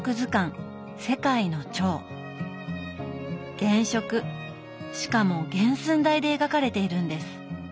原色しかも原寸大で描かれているんです！